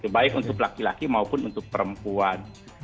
baik untuk laki laki maupun untuk perempuan